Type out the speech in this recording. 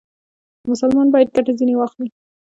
مسلمان باید ګټه ځنې واخلي.